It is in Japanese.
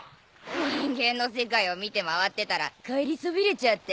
人間の世界を見て回ってたら帰りそびれちゃって。